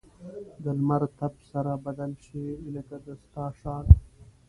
د لمر تپ سره بدل شي؛ لکه د ستا شال.